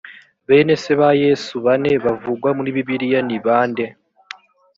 bene se ba yesu bane bavugwa muri bibiliya ni bande